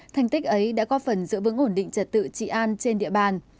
thành tích ấy đã có phần giữ vững ổn định trật tự trị an trên địa bàn